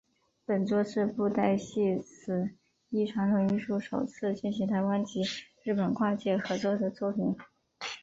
本作是布袋戏此一传统艺术首次进行台湾及日本跨界合作的作品。